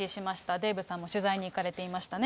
デーブさんも取材に行かれていましたね。